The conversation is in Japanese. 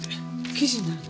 記事になるの？